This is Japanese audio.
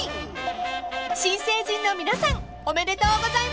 ［新成人の皆さんおめでとうございます］